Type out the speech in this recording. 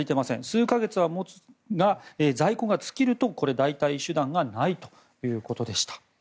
数か月は持つが、在庫が尽きるとこれ、代替手段がないということでした。